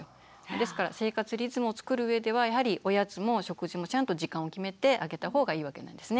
ですから生活リズムをつくるうえではやはりおやつも食事もちゃんと時間を決めてあげた方がいいわけなんですね。